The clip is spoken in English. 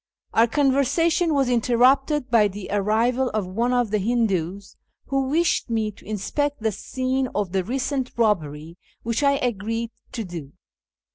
Our con versation was interrupted by the arrival of one of the Hindoos, who wished me to inspect the scene of the recent robbery, which I agreed to do.